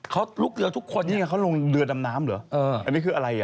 เขาลุกเรือทุกคนนี่ไงเขาลงเรือดำน้ำเหรอเอออันนี้คืออะไรอ่ะ